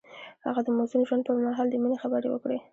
هغه د موزون ژوند پر مهال د مینې خبرې وکړې.